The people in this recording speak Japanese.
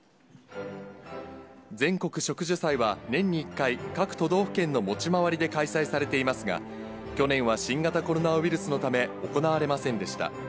全国植樹祭は、年に１回、各都道府県の持ち回りで開催されていますが、去年は新型コロナウイルスのため行われませんでした。